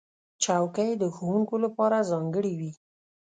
چوکۍ د ښوونکو لپاره ځانګړې وي.